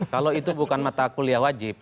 kalau itu bukan mata kuliah wajib